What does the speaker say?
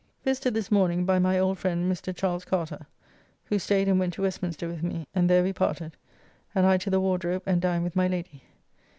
Visited this morning by my old friend Mr. Ch. Carter, who staid and went to Westminster with me, and there we parted, and I to the Wardrobe and dined with my Lady.